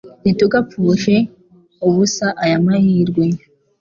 Ntitugapfushe ubusa aya mahirwe